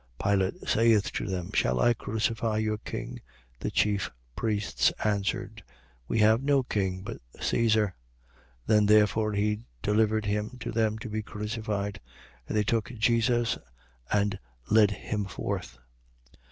Pilate saith to them: shall I crucify your king? The chief priests answered: We have no king but Caesar. 19:16. Then therefore he delivered him to them to be crucified. And they took Jesus and led him forth.